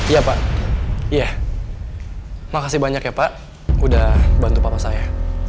iya pak iya makasih banyak ya pak udah bantu papa saya